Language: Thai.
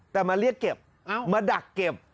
แต่มาเรียกเก็บมาดักเก็บ